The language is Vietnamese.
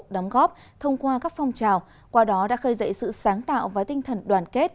đóng góp thông qua các phong trào qua đó đã khơi dậy sự sáng tạo và tinh thần đoàn kết